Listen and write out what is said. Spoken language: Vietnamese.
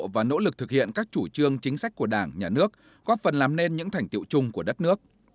và nỗ lực thực hiện các chủ trương chính sách của đảng nhà nước góp phần làm nên những thành tiệu chung của đất nước